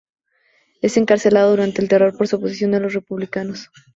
Es encarcelado durante el Terror por su oposición a los republicanos.